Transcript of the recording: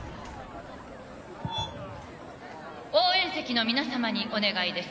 応援席の皆様にお願いです